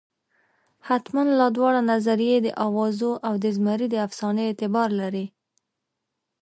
حتمالاً دواړه نظریې د اوازو او د زمري د افسانې اعتبار لري.